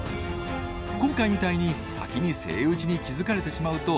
今回みたいに先にセイウチに気付かれてしまうと不意打ちは失敗。